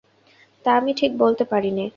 তা আমি ঠিক বলতে পারি নে।